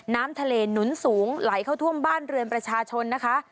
น้ำทะเลหนุนสูงไหลเข้าท่วมบ้านเรือนประชาชนนะคะ